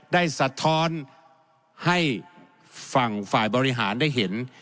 สะท้อนให้ฝั่งฝ่ายบริหารได้เห็น